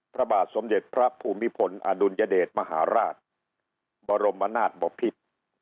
พระบาทสมเด็จพระภูมิพลอดุลยเดชมหาราชบรมนาศบพิษ